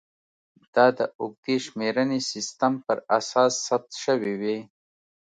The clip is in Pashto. دا د اوږدې شمېرنې سیستم پر اساس ثبت شوې وې